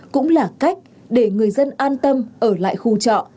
cũng là cách để người dân an tâm ở lại khu trọ